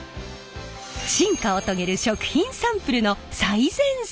進化を遂げる食品サンプルの最前線。